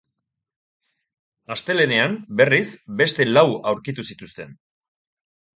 Astelehenean, berriz, beste lau aurkitu zituzten.